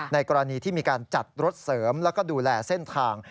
กรณีที่มีการจัดรถเสริมแล้วก็ดูแลเส้นทาง